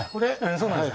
そうなんです